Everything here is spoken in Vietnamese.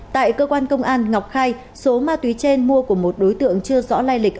tại cơ quan công an ngọc khai số ma túy trên mua của một đối tượng chưa rõ lai lịch